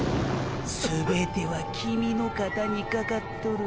全てはキミィの肩にかかっとるよ？